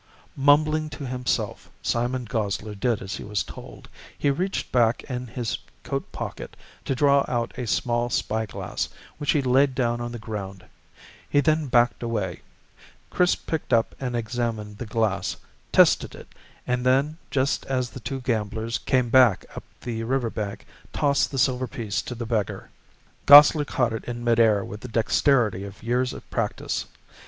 Mumbling to himself, Simon Gosler did as he was told. He reached back in his coat pocket to draw out a small spyglass, which he laid down on the ground. He then backed away. Chris picked up and examined the glass, tested it, and then just as the two gamblers came back up the riverbank, tossed the silver piece to the beggar. Gosler caught it in mid air with the dexterity of years of practice.